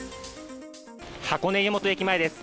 箱根湯本駅前です。